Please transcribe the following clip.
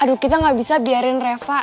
aduh kita gak bisa biarin reva